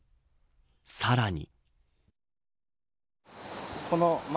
さらに。